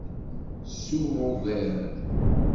Suɣ ugar.